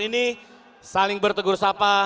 ini saling bertegur sapa